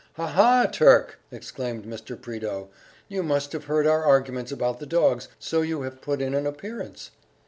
"Ha ha, Turk!" exclaimed Mr. Prideaux, "you must have heard our arguments about the dogs, so you have put in an appearance."